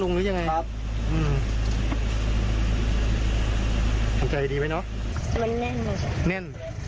แน่น